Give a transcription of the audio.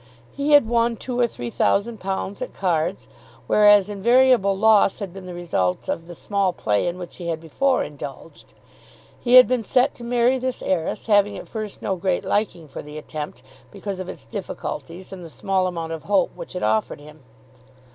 He had won two or three thousand pounds at cards, whereas invariable loss had been the result of the small play in which he had before indulged. He had been set to marry this heiress, having at first no great liking for the attempt, because of its difficulties and the small amount of hope which it offered him.